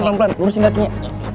pelan pelan lurusin daki ya